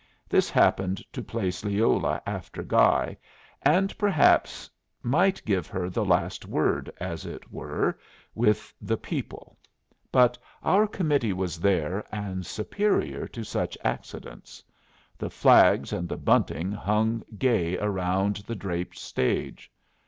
This happened to place Leola after Guy, and perhaps might give her the last word, as it were, with the people; but our committee was there, and superior to such accidents. The flags and the bunting hung gay around the draped stage.